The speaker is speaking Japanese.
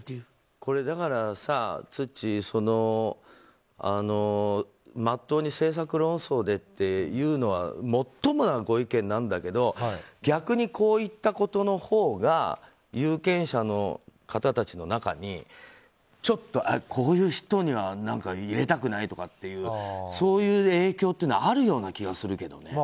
これ、ツッチー真っ当に政策論争でっていうのはもっともなご意見なんだけど逆にこういったことのほうが有権者の方たちの中にちょっと、こういう人には入れたくないっていうようなそういう影響はあるような気がするけどね。